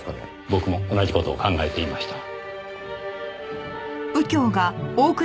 僕も同じ事を考えていました。